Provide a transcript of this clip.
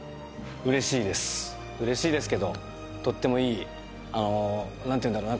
うれしいですうれしいですけどとってもいいなんていうんだろう